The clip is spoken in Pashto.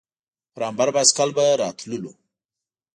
پر امبر بایسکل به راتللو.